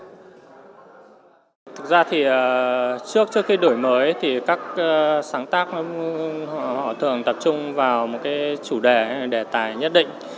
thực ra thì trước trước khi đổi mới thì các sáng tác họ thường tập trung vào một cái chủ đề đề tài nhất định